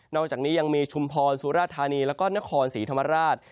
อกจากนี้ยังมีชุมพรสุราธานีแล้วก็นครศรีธรรมราช